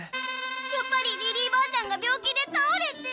やっぱりリリーばあちゃんが病気でたおれて。